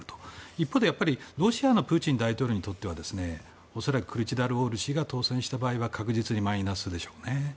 一方でロシアのプーチン大統領にとっては恐らく、クルチダルオール氏が当選した場合は確実にマイナスでしょうね。